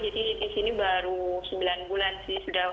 jadi di sini baru sembilan bulan sih